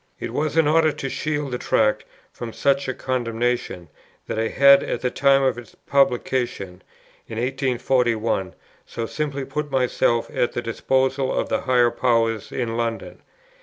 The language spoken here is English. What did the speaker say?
It was in order to shield the Tract from such a condemnation, that I had at the time of its publication in 1841 so simply put myself at the disposal of the higher powers in London.